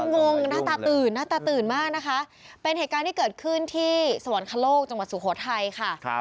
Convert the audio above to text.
งงหน้าตาตื่นหน้าตาตื่นมากนะคะเป็นเหตุการณ์ที่เกิดขึ้นที่สวรรคโลกจังหวัดสุโขทัยค่ะ